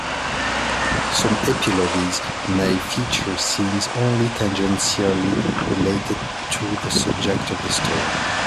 Some epilogues may feature scenes only tangentially related to the subject of the story.